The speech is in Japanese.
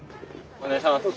お願いします。